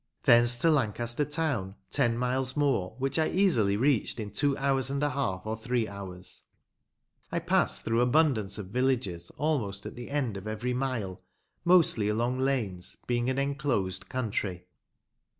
Thence to Lancaster town, ten miles more, which I easily reached in two hours and a half or three hours. I passed through abundance of villages, almost at the end of every mile, mostly all along lanes, being an enclosed country.